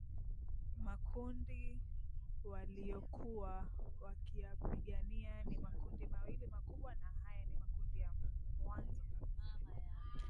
Makundi waliyokuwa wakiyapigania ni makundi mawili makubwa na haya ni makundi ya mwanzo kabisa